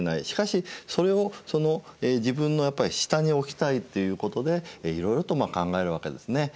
しかしそれをその自分の下に置きたいということでいろいろとまあ考えるわけですね。